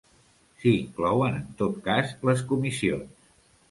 S'hi inclouen, en tot cas, les comissions.